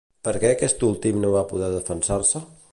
Per què aquest últim no va poder defensar-se?